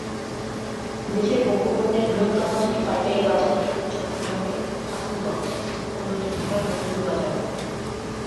দেশের ভোগ্যপণ্যের বৃহত্তম দুটি পাইকারি বাজারের একটি চট্টগ্রামের খাতুনগঞ্জ, অন্যটি ঢাকার মৌলভীবাজার।